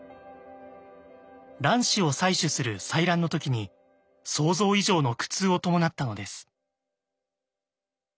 卵子を採取する採卵の時に想像以上の苦痛を伴ったのです。